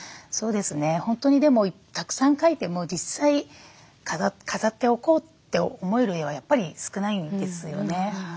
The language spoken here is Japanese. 本当にでもたくさん描いても実際飾っておこうって思える絵はやっぱり少ないんですよね。